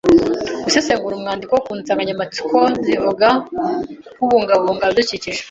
Gusesengura umwandiko ku nsanganyamatsiko zivuga ku kubungabunga ibidukikije.